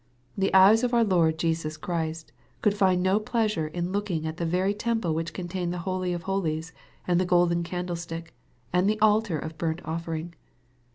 The eyesof ourLord Jesus Christcouldfindnopleasure in look ing at the very temple which contained the holy of holies, and the golden candlestick, and the altar of burnt offering.